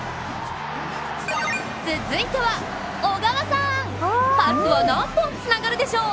続いては小川さん、パスは何本つながるでしょう？